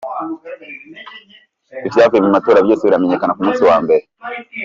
Ivyavuye mu matora vyose biramenyekana ku musi wa mbere.